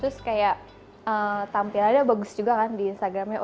terus kayak tampilannya bagus juga kan di instagramnya